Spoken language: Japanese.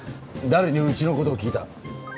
誰にうちのことを聞いた？